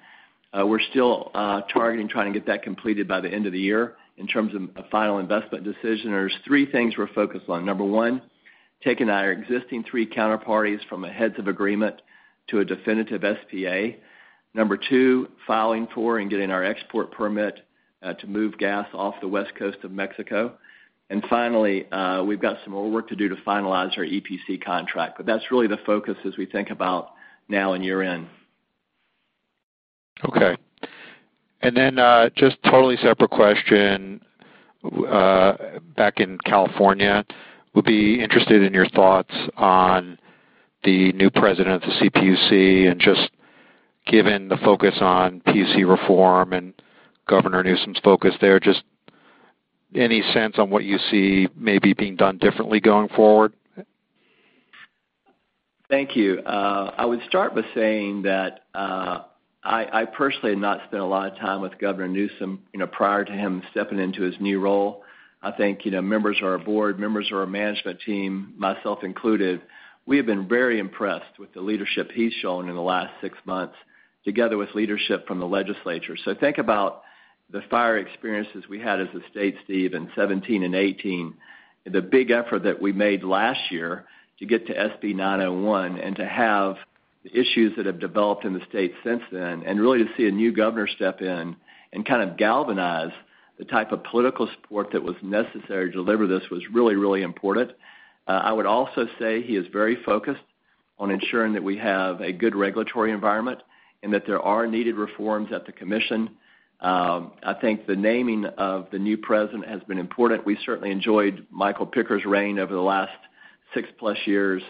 Speaker 3: we're still targeting trying to get that completed by the end of the year. In terms of a final investment decision, there's three things we're focused on. Number 1, taking our existing three counterparties from a heads of agreement to a definitive SPA. Number 2, filing for and getting our export permit to move gas off the west coast of Mexico. Finally, we've got some more work to do to finalize our EPC contract. That's really the focus as we think about now and year-end.
Speaker 11: Okay. Just totally separate question. Back in California, would be interested in your thoughts on the new president of the CPUC and just given the focus on PUC reform and Gavin Newsom's focus there, any sense on what you see maybe being done differently going forward?
Speaker 3: Thank you. I would start with saying that I personally have not spent a lot of time with Gavin Newsom prior to him stepping into his new role. I think, members of our board, members of our management team, myself included, we have been very impressed with the leadership he's shown in the last six months, together with leadership from the legislature. Think about the fire experiences we had as a state, Steve, in 2017 and 2018, the big effort that we made last year to get to SB 901 and to have the issues that have developed in the state since then, and really to see a new governor step in and kind of galvanize the type of political support that was necessary to deliver this was really, really important. I would also say he is very focused on ensuring that we have a good regulatory environment and that there are needed reforms at the commission. I think the naming of the new president has been important. We certainly enjoyed Michael Picker's reign over the last six-plus years.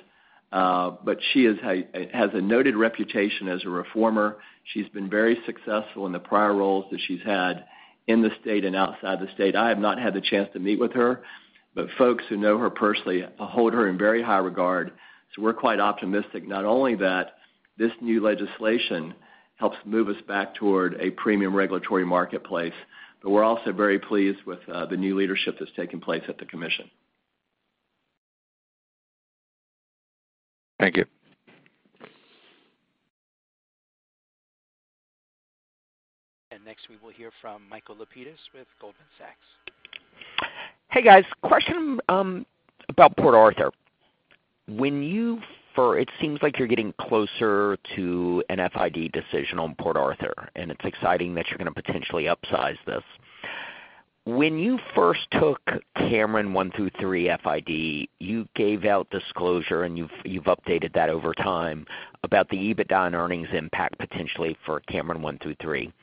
Speaker 3: She has a noted reputation as a reformer. She's been very successful in the prior roles that she's had in the state and outside the state. I have not had the chance to meet with her, but folks who know her personally hold her in very high regard. We're quite optimistic not only that this new legislation helps move us back toward a premium regulatory marketplace, but we're also very pleased with the new leadership that's taking place at the commission.
Speaker 11: Thank you.
Speaker 1: Next we will hear from Michael Lapides with Goldman Sachs.
Speaker 12: Hey, guys. Question about Port Arthur. It seems like you're getting closer to an FID decision on Port Arthur, and it's exciting that you're going to potentially upsize this. When you first took Cameron 1, 2, 3 FID, you gave out disclosure, and you've updated that over time about the EBITDA and earnings impact potentially for Cameron 1, 2, 3.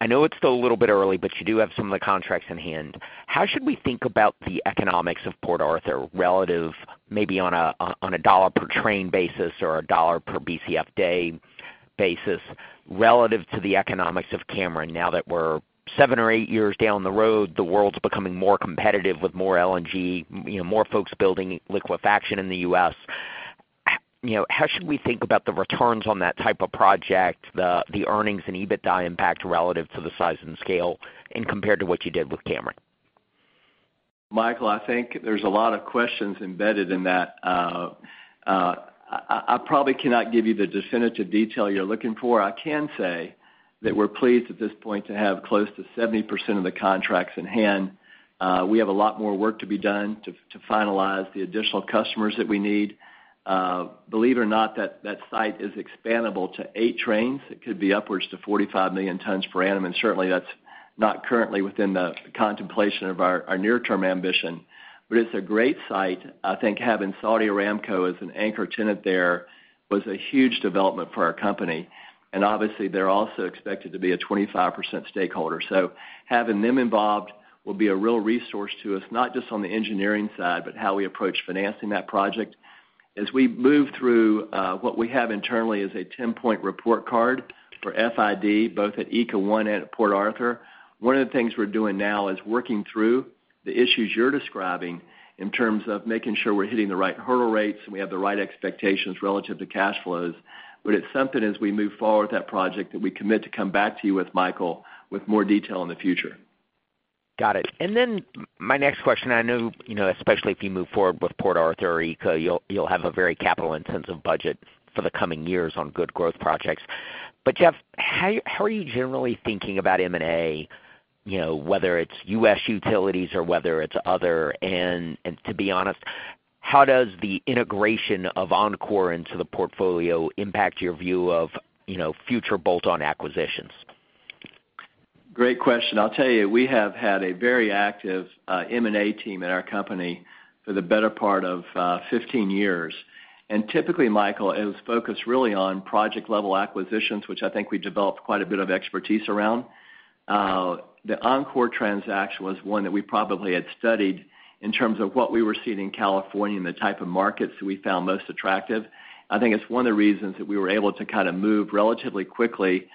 Speaker 12: I know it's still a little bit early, but you do have some of the contracts in hand. How should we think about the economics of Port Arthur relative maybe on a $-per-train basis or a $-per-BCF day basis relative to the economics of Cameron now that we're seven or eight years down the road, the world's becoming more competitive with more LNG, more folks building liquefaction in the U.S.? How should we think about the returns on that type of project, the earnings and EBITDA impact relative to the size and scale and compared to what you did with Cameron?
Speaker 3: Michael, I think there's a lot of questions embedded in that. I probably cannot give you the definitive detail you're looking for. I can say that we're pleased at this point to have close to 70% of the contracts in hand. We have a lot more work to be done to finalize the additional customers that we need. Believe it or not, that site is expandable to eight trains. It could be upwards to 45 million tons per annum. Certainly that's not currently within the contemplation of our near-term ambition. It's a great site. I think having Saudi Aramco as an anchor tenant there was a huge development for our company. Obviously they're also expected to be a 25% stakeholder. Having them involved will be a real resource to us, not just on the engineering side, but how we approach financing that project. As we move through what we have internally is a 10-point report card for FID, both at ECA 1 and at Port Arthur. One of the things we're doing now is working through the issues you're describing in terms of making sure we're hitting the right hurdle rates and we have the right expectations relative to cash flows. It's something as we move forward with that project that we commit to come back to you with, Michael, with more detail in the future.
Speaker 12: Got it. My next question, I know, especially if you move forward with Port Arthur or ECA, you'll have a very capital-intensive budget for the coming years on good growth projects. Jeff, how are you generally thinking about M&A, whether it's U.S. utilities or whether it's other? To be honest, how does the integration of Oncor into the portfolio impact your view of future bolt-on acquisitions?
Speaker 3: Great question. I'll tell you, we have had a very active M&A team at our company for the better part of 15 years. Typically, Michael, it was focused really on project-level acquisitions, which I think we developed quite a bit of expertise around. The Oncor transaction was one that we probably had studied in terms of what we were seeing in California and the type of markets that we found most attractive. I think it's one of the reasons that we were able to kind of move relatively quickly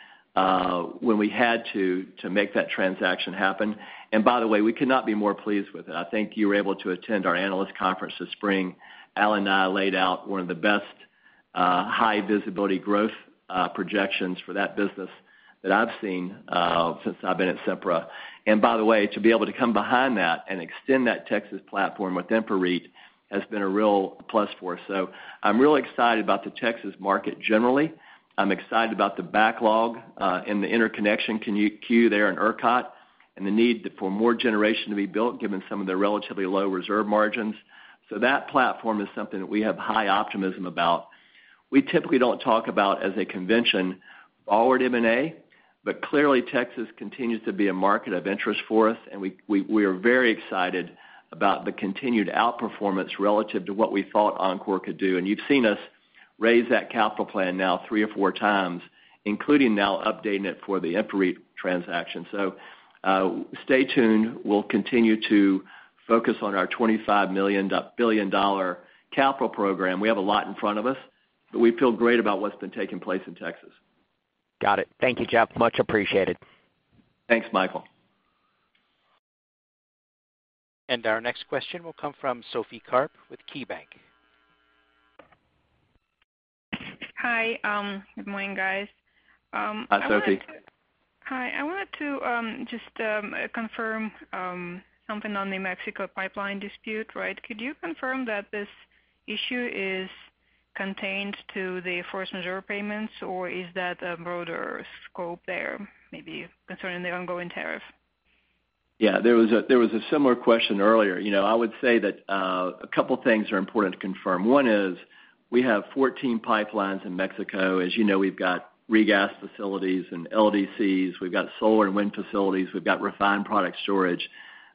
Speaker 3: when we had to make that transaction happen. By the way, we could not be more pleased with it. I think you were able to attend our analyst conference this spring. Al and I laid out one of the best high-visibility growth projections for that business that I've seen since I've been at Sempra. By the way, to be able to come behind that and extend that Texas platform with InfraREIT has been a real plus for us. I'm really excited about the Texas market generally. I'm excited about the backlog in the interconnection queue there in ERCOT and the need for more generation to be built given some of their relatively low reserve margins. That platform is something that we have high optimism about. We typically don't talk about as a convention forward M&A, clearly Texas continues to be a market of interest for us, and we are very excited about the continued outperformance relative to what we thought Oncor could do. You've seen us raise that capital plan now three or four times, including now updating it for the InfraREIT transaction. Stay tuned. We'll continue to focus on our $25 million capital program. We have a lot in front of us, but we feel great about what's been taking place in Texas.
Speaker 12: Got it. Thank you, Jeff. Much appreciated.
Speaker 3: Thanks, Michael.
Speaker 1: Our next question will come from Sophie Karp with KeyBanc.
Speaker 13: Hi. Good morning, guys.
Speaker 3: Hi, Sophie.
Speaker 13: Hi. I wanted to just confirm something on the Mexico pipeline dispute, right? Could you confirm that this issue is contained to the force majeure payments, or is that a broader scope there, maybe concerning the ongoing tariff?
Speaker 3: Yeah, there was a similar question earlier. I would say that a couple of things are important to confirm. One is we have 14 pipelines in Mexico. As you know, we've got regas facilities and LDCs. We've got solar and wind facilities. We've got refined product storage.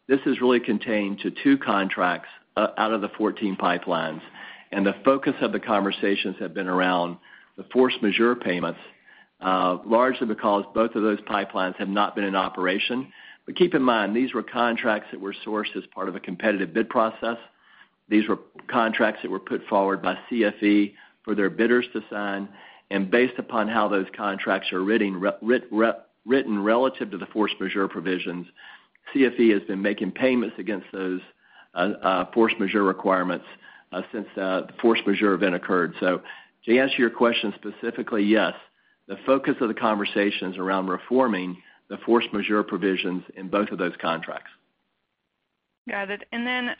Speaker 3: This is really contained to two contracts out of the 14 pipelines. The focus of the conversations have been around the force majeure payments, largely because both of those pipelines have not been in operation. Keep in mind, these were contracts that were sourced as part of a competitive bid process. These were contracts that were put forward by CFE for their bidders to sign. Based upon how those contracts are written relative to the force majeure provisions, CFE has been making payments against those force majeure requirements since the force majeure event occurred. To answer your question specifically, yes, the focus of the conversation's around reforming the force majeure provisions in both of those contracts.
Speaker 13: Got it.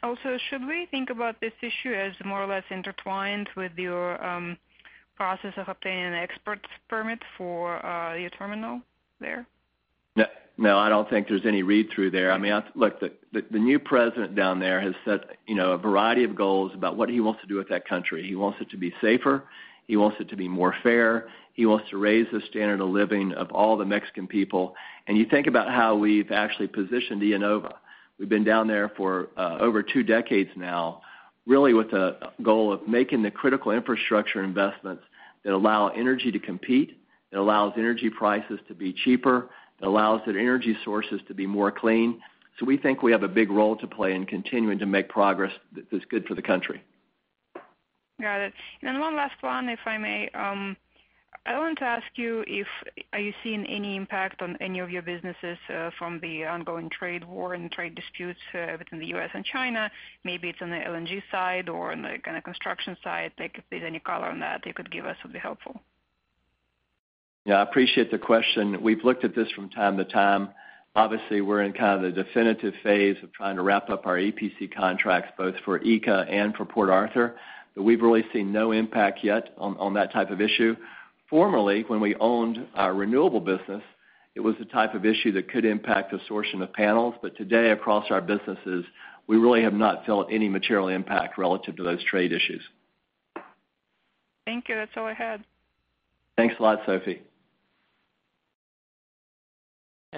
Speaker 13: Also, should we think about this issue as more or less intertwined with your process of obtaining an export permit for your terminal there?
Speaker 3: No, I don't think there's any read-through there. I mean, look, the new president down there has set a variety of goals about what he wants to do with that country. He wants it to be safer. He wants it to be more fair. He wants to raise the standard of living of all the Mexican people. You think about how we've actually positioned IEnova. We've been down there for over two decades now, really with the goal of making the critical infrastructure investments that allow energy to compete, that allows energy prices to be cheaper, that allows the energy sources to be more clean. We think we have a big role to play in continuing to make progress that's good for the country.
Speaker 13: Got it. One last one, if I may. I want to ask you, are you seeing any impact on any of your businesses from the ongoing trade war and trade disputes between the U.S. and China? Maybe it's on the LNG side or on the kind of construction side. Like, if there's any color on that you could give us, would be helpful.
Speaker 3: Yeah, I appreciate the question. We've looked at this from time to time. Obviously, we're in kind of the definitive phase of trying to wrap up our EPC contracts both for ECA and for Port Arthur. We've really seen no impact yet on that type of issue. Formerly, when we owned our renewable business, it was the type of issue that could impact the sourcing of panels. Today, across our businesses, we really have not felt any material impact relative to those trade issues.
Speaker 13: Thank you. That's all I had.
Speaker 3: Thanks a lot, Sophie.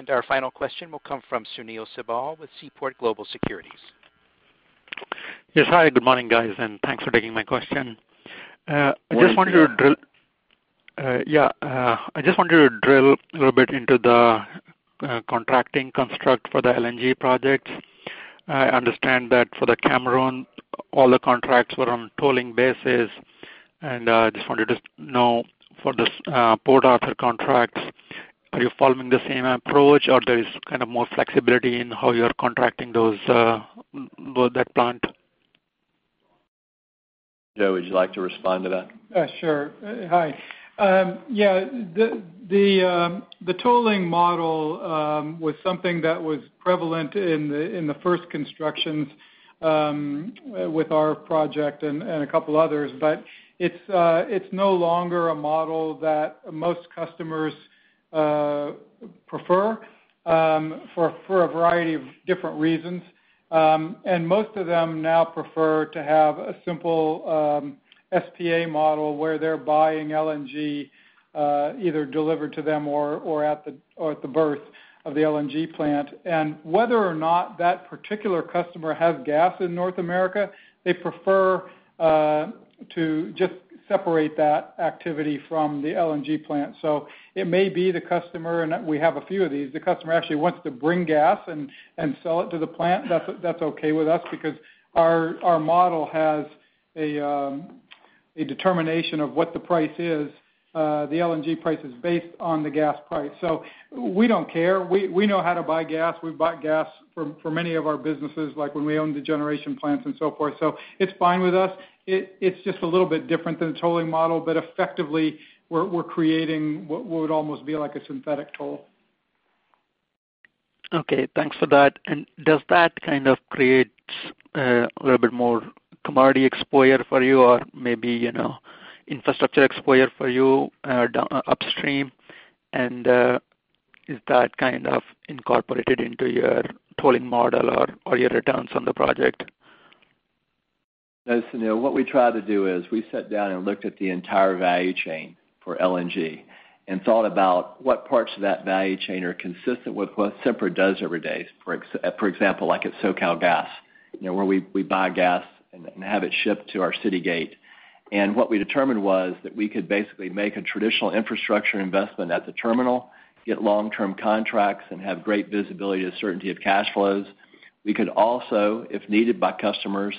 Speaker 1: Our final question will come from Sunil Sibal with Seaport Global Securities.
Speaker 14: Yes. Hi, good morning, guys, and thanks for taking my question.
Speaker 3: Morning.
Speaker 14: I just wanted to drill a little bit into the contracting construct for the LNG projects. I understand that for the Cameron, all the contracts were on tolling basis, and I just wanted to know for this Port Arthur contract, are you following the same approach, or there is kind of more flexibility in how you're contracting that plant?
Speaker 3: Joe, would you like to respond to that?
Speaker 4: Sure. Hi. Yeah, the tolling model was something that was prevalent in the first constructions with our project and a couple others. It's no longer a model that most customers prefer for a variety of different reasons. Most of them now prefer to have a simple SPA model where they're buying LNG either delivered to them or at the berth of the LNG plant. It may be the customer, and we have a few of these, the customer actually wants to bring gas and sell it to the plant. That's okay with us because our model has a determination of what the price is. The LNG price is based on the gas price. We don't care. We know how to buy gas. We've bought gas for many of our businesses, like when we owned the generation plants and so forth. It's fine with us. It's just a little bit different than a tolling model. Effectively, we're creating what would almost be like a synthetic toll.
Speaker 14: Okay, thanks for that. Does that kind of create a little bit more commodity exposure for you or maybe infrastructure exposure for you upstream? Is that kind of incorporated into your tolling model or your returns on the project?
Speaker 3: No, Sunil. What we tried to do is we sat down and looked at the entire value chain for LNG and thought about what parts of that value chain are consistent with what Sempra does every day. For example, like at SoCalGas, where we buy gas and have it shipped to our city gate. What we determined was that we could basically make a traditional infrastructure investment at the terminal. Get long-term contracts and have great visibility to certainty of cash flows. We could also, if needed by customers,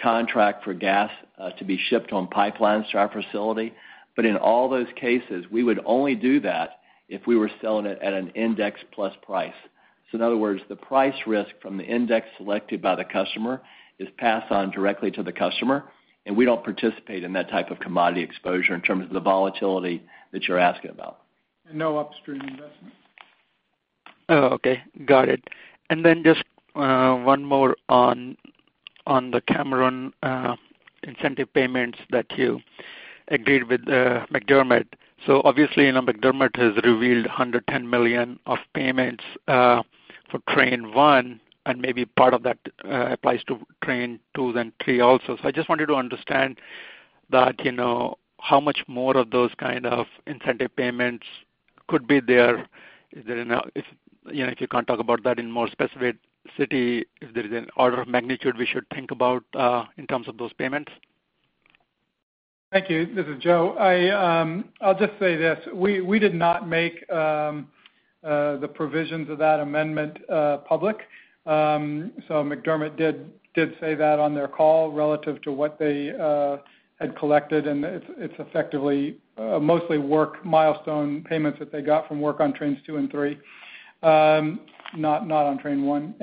Speaker 3: contract for gas to be shipped on pipelines to our facility. In all those cases, we would only do that if we were selling it at an index plus price. In other words, the price risk from the index selected by the customer is passed on directly to the customer, and we don't participate in that type of commodity exposure in terms of the volatility that you're asking about.
Speaker 4: No upstream investment.
Speaker 14: Okay. Got it. Just one more on the Cameron incentive payments that you agreed with McDermott. Obviously, now McDermott has revealed $110 million of payments for train 1, and maybe part of that applies to train 2 then 3 also. I just wanted to understand that how much more of those kind of incentive payments could be there. If you can't talk about that in more specificity, if there is an order of magnitude we should think about in terms of those payments.
Speaker 4: Thank you. This is Joe. I'll just say this. We did not make the provisions of that amendment public. McDermott did say that on their call relative to what they had collected, and it's effectively mostly work milestone payments that they got from work on trains 2 and 3. Not on train 1.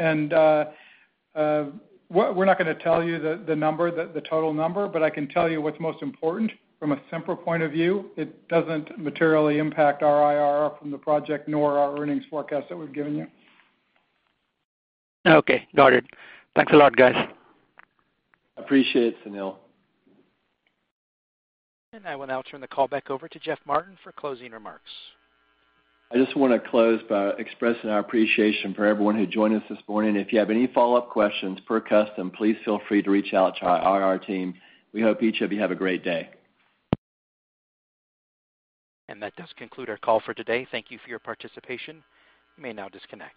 Speaker 4: We're not going to tell you the total number, but I can tell you what's most important from a Sempra point of view. It doesn't materially impact our IRR from the project, nor our earnings forecast that we've given you.
Speaker 14: Okay, got it. Thanks a lot, guys.
Speaker 3: Appreciate it, Sunil.
Speaker 1: I will now turn the call back over to Jeff Martin for closing remarks.
Speaker 3: I just want to close by expressing our appreciation for everyone who joined us this morning. If you have any follow-up questions per custom, please feel free to reach out to our IR team. We hope each of you have a great day.
Speaker 1: That does conclude our call for today. Thank you for your participation. You may now disconnect.